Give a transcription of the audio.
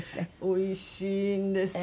おいしいんです。